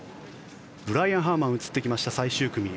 ブライアン・ハーマン映ってきました、最終組。